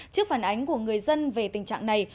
trước phản ánh của người dân về tình trạng này